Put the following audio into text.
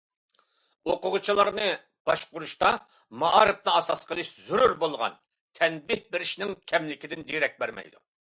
ئوقۇغۇچىلارنى باشقۇرۇشتا مائارىپنى ئاساس قىلىش زۆرۈر بولغان تەنبىھ بېرىشنىڭ كەملىكىدىن دېرەك بەرمەيدۇ.